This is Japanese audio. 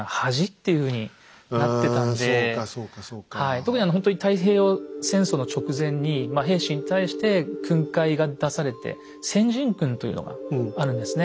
特にほんとに太平洋戦争の直前に兵士に対して訓戒が出されて「戦陣訓」というのがあるんですね。